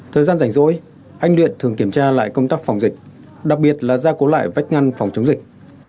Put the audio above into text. thời gian rảnh rỗi anh luyện thường kiểm tra lại công tác phòng dịch đặc biệt là gia cố lại vách ngăn phòng chống dịch